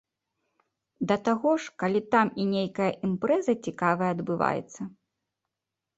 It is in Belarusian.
Да таго ж, калі там і нейкая імпрэза цікавая адбываецца.